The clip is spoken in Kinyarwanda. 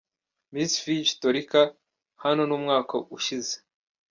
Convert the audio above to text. Miss Fiji Torika, hano ni mu mwaka ushize.